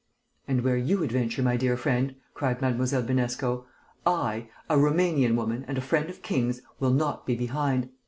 "And where you adventure, my dear friend," cried Mlle. Binesco, "I, a Roumanian woman and a friend of kings, will not be behind!